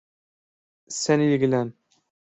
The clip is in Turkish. Sen ilgilen.